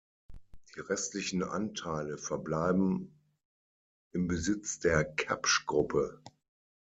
Die restlichen Anteile verbleiben im Besitz der Kapsch-Gruppe.